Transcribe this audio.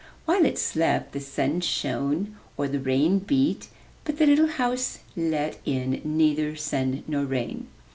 While it slept the sun shone or the rain beat, but the little house let in neither sun nor rain.